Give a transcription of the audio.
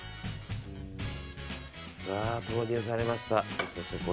さあ、投入されました。